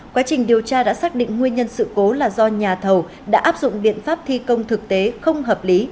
quá trình điều tra đã xác định nguyên nhân sự cố là do nhà thầu đã áp dụng biện pháp thi công thực tế không hợp lý